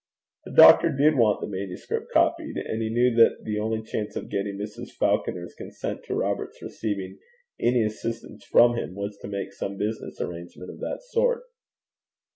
The doctor did want the manuscript copied; and he knew that the only chance of getting Mrs. Falconer's consent to Robert's receiving any assistance from him, was to make some business arrangement of the sort.